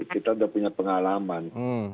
kita udah punya pengalaman